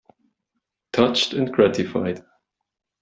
Touched and gratified.